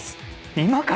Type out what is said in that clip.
今から？